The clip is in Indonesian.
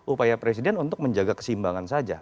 upaya presiden untuk menjaga kesimbangan saja